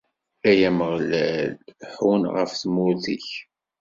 Ay Ameɣlal, ḥunn ɣef tmurt-ik!